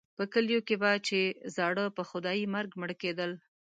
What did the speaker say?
په کلیو کې به چې زاړه په خدایي مرګ مړه کېدل.